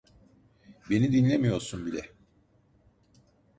Beni dinlemiyorsun bile.